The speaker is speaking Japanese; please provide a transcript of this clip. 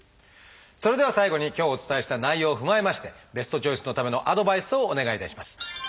それでは最後に今日お伝えした内容を踏まえましてベストチョイスのためのアドバイスをお願いいたします。